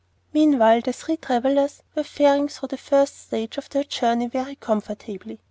Meanwhile the three travellers were faring through the first stage of their journey very comfortably.